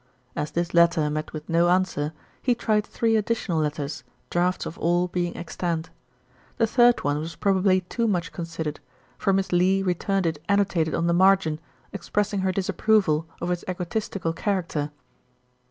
As this letter met with no answer, he tried three additional letters, drafts of all being extant. The third one was probably too much considered, for Miss Lee returned it annotated on the margin, expressing her disapproval of its egotistical character.